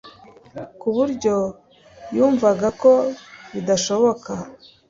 ku buryo yumvaga ko bidashoboka